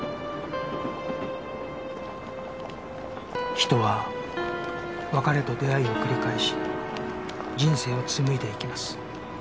人は別れと出会いを繰り返し人生を紡いでいきます